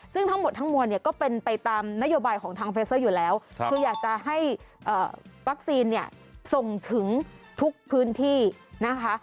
ซึ่งทั้งหมดทั้งมวลเนี่ยก็เป็นไปตามนโยบายของทางเฟสเตอร์อยู่แล้วคืออยากจะให้วัคซีนเนี่ยส่งถึงทุกพื้นที่นะคะ